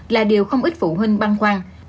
là điều không ít phụ huynh băng khoan